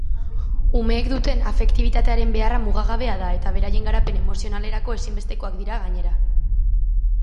Umeek duten afektibitatearen beharra mugagabea da eta beraien garapen emozionalerako ezinbestekoak dira gainera.